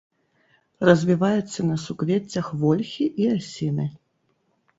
Развіваецца на суквеццях вольхі і асіны.